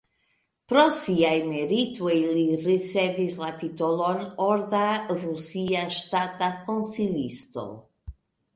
Pro siaj meritoj li ricevis la titolon "Orda rusia ŝtata konsilisto".